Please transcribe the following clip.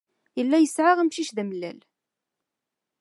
Yella yesɛa amcic d amellal.